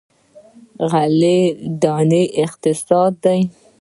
غله دانه اقتصاد دی.